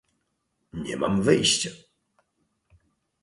"Nie mam wyjścia."